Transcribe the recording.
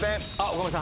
岡村さん。